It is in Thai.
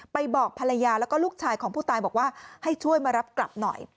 บอกภรรยาแล้วก็ลูกชายของผู้ตายบอกว่าให้ช่วยมารับกลับหน่อย